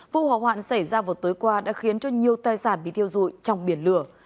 vụ hỏa hoạn xảy ra vào tối qua đã khiến cho nhiều tài sản bị thiêu dụi trong biển lửa